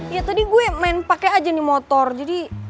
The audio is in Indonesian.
ya tadi gue main pakai aja nih motor jadi